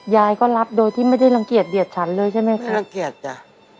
ยายก็รับโดยที่ไม่ได้รังเกียจเดียดฉันเลยใช่ไหมคะรังเกียจจ้ะ